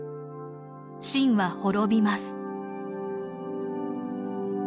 秦は滅びます。